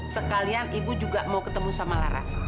sekalian ibu juga mau ketemu sama laras